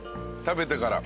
食べてから。